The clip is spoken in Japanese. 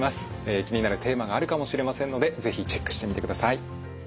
気になるテーマがあるかもしれませんので是非チェックしてみてください。